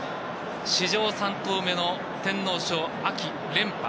史上３頭目の天皇賞連覇。